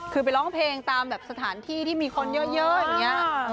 คือไปร้องเพลงตามแบบสถานที่ที่มีคนเยอะอย่างนี้